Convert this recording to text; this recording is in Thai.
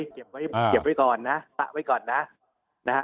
เก็บไว้ก่อนนะสระไว้ก่อนนะ